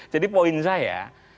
jadi poin saya